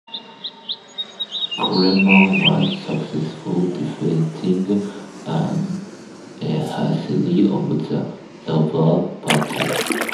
Coleman was successful, defeating Ann Hartley of the Labour Party.